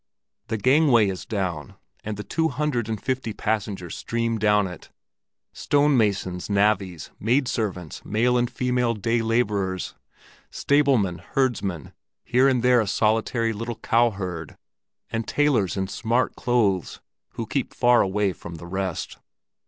The gangway is down, and the two hundred and fifty passengers stream down it—stone masons, navvies, maid servants, male and female day laborers, stablemen, herdsmen, here and there a solitary little cowherd, and tailors in smart clothes, who keep far away from the rest.